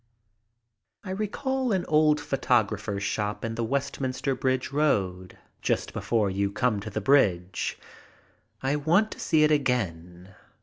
I recall an old photographer's shop in the Westminster Bridge Road just before you come to the bridge. I want to see it again.